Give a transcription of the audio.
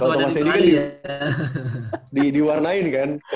kalau thomas ini kan diwarnain kan